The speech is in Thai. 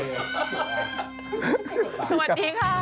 สวัสดีค่ะ